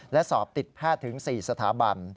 และสอบติดแพทย์ถึง๔สถาบัน